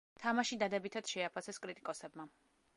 თამაში დადებითად შეაფასეს კრიტიკოსებმა.